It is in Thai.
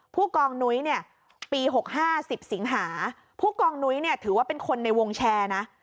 ผู้กองนุ้ยเนี่ยปี๖๕๐สิงหาผู้กองนุ้ยเนี่ยถือว่าเป็นคนในวงแชร์นะ